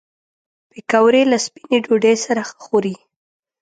پکورې له سپینې ډوډۍ سره ښه خوري